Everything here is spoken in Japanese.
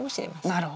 なるほど。